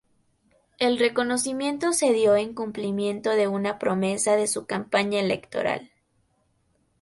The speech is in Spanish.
El reconocimiento se dio en cumplimiento de una promesa de su campaña electoral.